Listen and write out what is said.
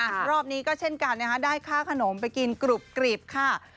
อ่ะรอบนี้ก็เช่นกันได้ข้าวขนมไปกินกรุบกรีบค่ะ